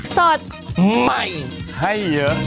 โปรดติดตามตอนต่อไป